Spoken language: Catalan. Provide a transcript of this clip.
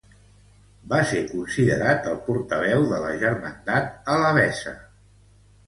Va ser considerat el portaveu de la germandat alabesa.